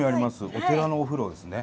お寺のお風呂ですね。